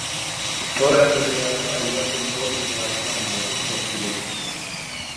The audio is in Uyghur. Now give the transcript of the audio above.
تور ئەدەبىياتى ئەلۋەتتە تور دۇنياسىنىڭ مۇھىم تەشكىلى قىسمى.